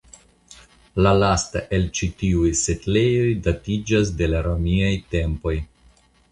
La lasta el ĉi tiuj setlejoj datiĝas de la romiaj tempoj.